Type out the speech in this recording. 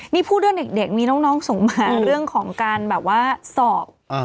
นี่พูดเรื่องเด็กมีน้องส่งมาเรื่องของการแบบว่าสอบ